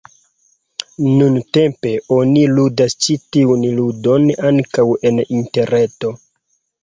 Nuntempe oni ludas ĉi tiun ludon ankaŭ en interreto.